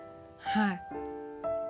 はい。